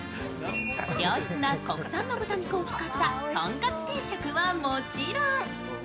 良質な国産の豚肉を使ったとんかつ定食はもちろん。